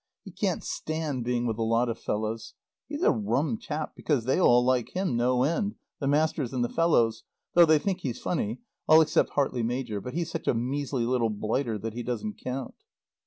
He can't stand being with a lot of fellows. He's a rum chap because they all like him no end, the masters and the fellows, though they think he's funny, all except Hartley major, but he's such a measly little blighter that he doesn't count.